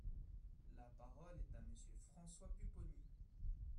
La parole est à Monsieur François Pupponi.